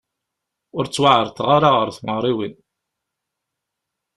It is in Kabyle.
Ur ttwaεerḍeɣ ara ɣer tmeɣriwin.